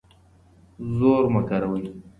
زور مه کاروئ.